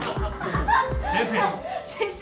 先生。